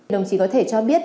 đồng chí có thể cho biết